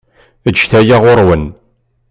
Eǧǧet aya ɣur-wen.